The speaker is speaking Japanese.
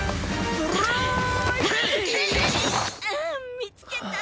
見つけた！